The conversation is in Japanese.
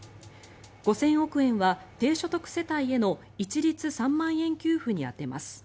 ５０００億円は低所得世帯への一律３万円給付に当てます。